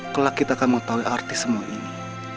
kalau kita akan mengetahui arti semua ini